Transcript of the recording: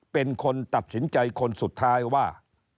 เป็นคนตัดสินใจคนสุดท้ายว่า